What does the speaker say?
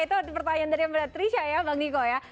itu pertanyaan dari mbak trisha ya bang nicole ya